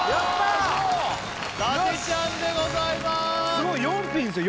すごい４品ですよ